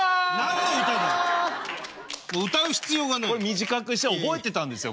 短くして覚えてたんですよ